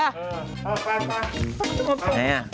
เออไป